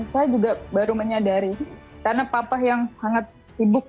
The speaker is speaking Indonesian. saya juga baru menyadari karena papa yang sangat sibuk